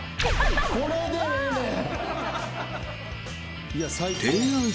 これでええねん。